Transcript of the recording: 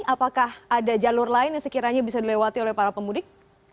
apakah ada jalur lain yang sekiranya bisa dilewati oleh para pemudik